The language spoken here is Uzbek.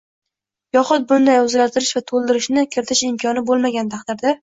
yoxud bunday o‘zgartirish va to‘ldirishni kiritish imkoni bo‘lmagan taqdirda